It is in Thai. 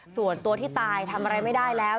ส่วนตัวที่ตายทำอะไรไม่ได้แล้ว